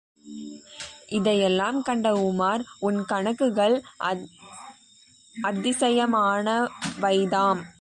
இதையெல்லாம் கண்ட உமார், உன் கணக்குகள் அதிசயமானவைதாம்!